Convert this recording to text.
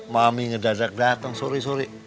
mami ngedadak datang sore sore